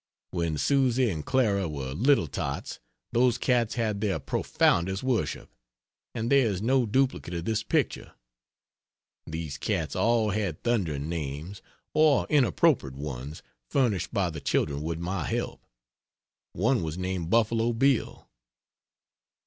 When Susy and Clara were little tots those cats had their profoundest worship, and there is no duplicate of this picture. These cats all had thundering names, or inappropriate ones furnished by the children with my help. One was named Buffalo Bill.